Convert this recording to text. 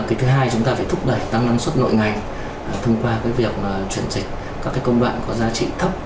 cái thứ hai chúng ta phải thúc đẩy tăng năng suất nội ngành thông qua việc chuyển dịch các công đoạn có giá trị thấp